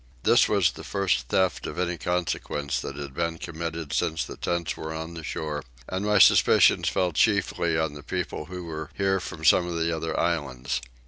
This was the first theft of any consequence that had been committed since the tents were on shore, and my suspicions fell chiefly on the people who were here from some of the other islands.